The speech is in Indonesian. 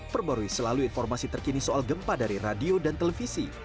perbarui selalu informasi terkini soal gempa dari radio dan televisi